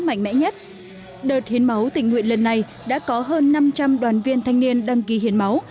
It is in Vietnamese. mạnh mẽ nhất đợt hiến máu tình nguyện lần này đã có hơn năm trăm linh đoàn viên thanh niên đăng ký hiến máu